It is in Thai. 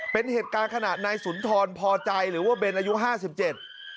เป็นเหตุการณ์ขณะนายสุนทรพอใจหรือว่าเบนอายุห้าสิบเจ็ด